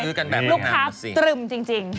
ซื้อกันแบบลูกค้าตรึ่มจริง